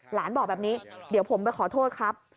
บอกแบบนี้เดี๋ยวผมไปขอโทษครับ